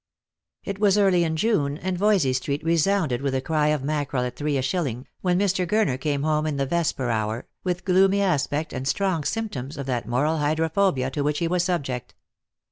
It was early in June, and Voysey street resounded with the cry of mackerel at three a shilling, when Mr. Gurner came home in the vesper hour, with gloomy aspect and strong symptoms of that moral hydrophobia to which he was subject.